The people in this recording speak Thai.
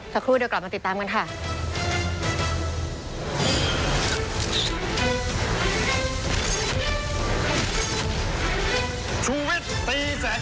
สักครู่เดี๋ยวกลับมาติดตามกันค่ะ